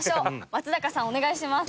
松坂さんお願いします。